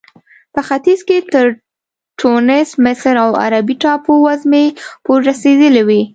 په ختیځ کې تر ټونس، مصر او عربي ټاپو وزمې پورې رسېدلې وې.